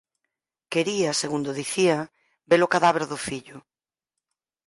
Quería, segundo dicía, ve-lo cadáver do fillo.